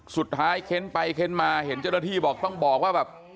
เค้นไปเค้นมาเห็นเจ้าหน้าที่บอกต้องบอกว่าแบบ